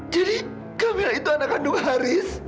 jadi kamilah itu anak kandung haris